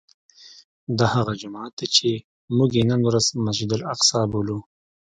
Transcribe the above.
دا هغه جومات دی چې موږ یې نن ورځ مسجد الاقصی بولو.